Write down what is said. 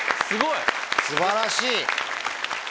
すごい！素晴らしい！